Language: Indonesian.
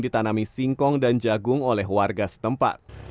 ditanami singkong dan jagung oleh warga setempat